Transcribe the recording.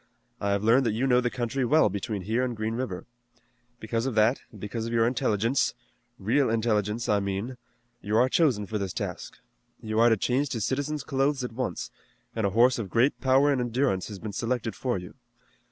I have learned that you know the country well between here and Green River. Because of that, and because of your intelligence, real intelligence, I mean, you are chosen for this task. You are to change to citizen's clothes at once, and a horse of great power and endurance has been selected for you.